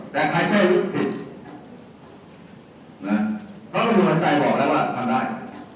แต่ใครใช่ผิดน่ะเขาก็ดูกันใจบอกแล้วว่าทำร้าย